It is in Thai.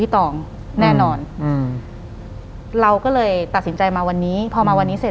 หลังจากนั้นเราไม่ได้คุยกันนะคะเดินเข้าบ้านอืม